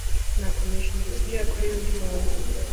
Nakomeje nyibutsa ko ibyo yakoreye undi muntu